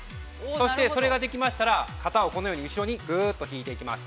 そして、それができましたら、肩をこのように後ろにぐーっと引いていきます。